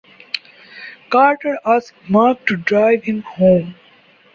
Carter asks Merk to drive him home.